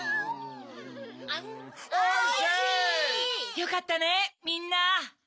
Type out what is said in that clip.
よかったねみんな。